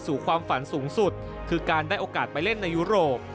ความฝันสูงสุดคือการได้โอกาสไปเล่นในยุโรป